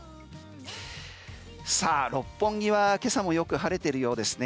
さあ六本木は今朝もよく晴れているようですね